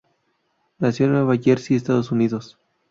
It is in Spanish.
Nació en Nueva Jersey, Estados Unidos.